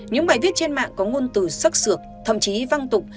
những bài viết trên mạng có ngôn từ sắc sược thậm chí văng tục